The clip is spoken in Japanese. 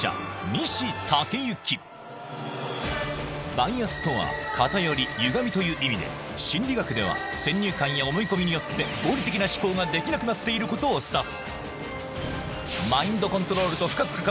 「バイアス」とは「偏り歪み」という意味で心理学では先入観や思い込みによって合理的な思考ができなくなっていることを指す